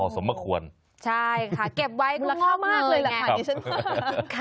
สมเขิกควรใช่ค่ะเก็บไว้มูลค่ามีราคาเงินแหละขันใช่เป็นฮะ